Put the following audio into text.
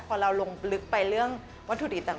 พอเราลงลึกไปเรื่องวัตถุดิบต่าง